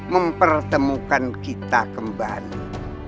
mempertemukan kita kembali